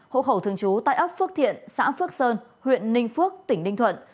hộ khẩu thường trú tại ấp phước thiện xã phước sơn huyện ninh phước tỉnh ninh thuận